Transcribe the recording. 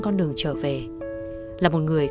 con đường trở về là một người